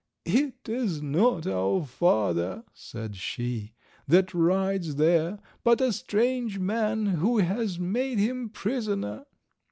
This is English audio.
"It is not our father," said she, "that rides there, but a strange man who has made him prisoner."